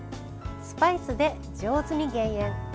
スパイスで上手に減塩！